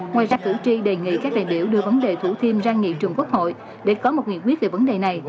ngoài ra cử tri đề nghị các đại biểu đưa vấn đề thủ thiêm ra nghị trường quốc hội để có một nghị quyết về vấn đề này